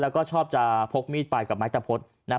แล้วก็ชอบจะพกมีดไปกับไม้ตะพดนะฮะ